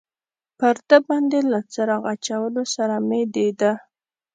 پر ده باندې له څراغ اچولو سره مې د ده.